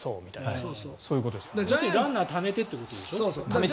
要するにランナーをためてってことでしょう？